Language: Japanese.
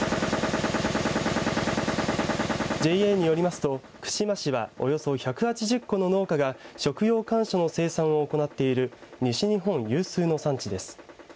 ＪＡによりますと、串間市はおよそ１８０戸の農家が食用かんしょの生産を行っている西日本有数の産地です。